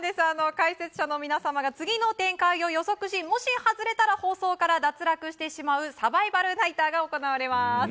解説者の皆様が次の展開を予測しもし外れたら放送から脱落してしまうサバイバルナイターが行われます。